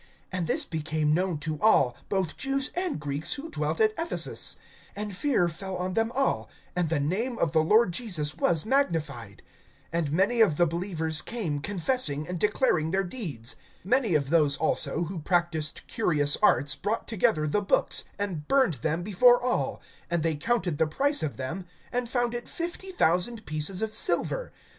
(17)And this became known to all, both Jews and Greeks, who dwelt at Ephesus; and fear fell on them all, and the name of the Lord Jesus was magnified. (18)And many of the believers came, confessing, and declaring their deeds. (19)Many of those also who practiced curious arts brought together the books, and burned them before all; and they counted the price of them, and found it fifty thousand pieces of silver.